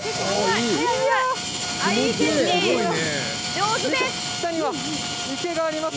上手です。